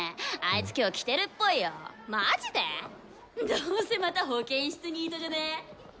どうせまた保健室ニートじゃね？